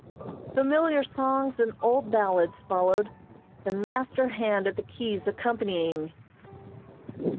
Familiar songs and old ballads followed, the master hand at the keys accompanying.